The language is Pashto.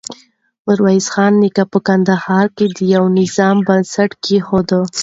ميرويس خان نيکه په کندهار کې د يوه نظام بنسټ کېښود.